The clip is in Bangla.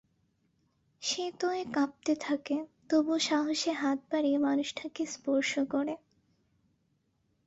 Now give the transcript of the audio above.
সে তয়ে কাঁপতে থাকে, তবু সাহসে হাত বাড়িয়ে মানুষটাকে স্পর্শ করে।